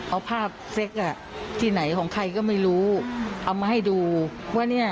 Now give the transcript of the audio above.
เอาภาพเซ็กอ่ะที่ไหนของใครก็ไม่รู้เอามาให้ดูว่าเนี่ย